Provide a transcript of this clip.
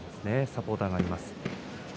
サポーターがあります。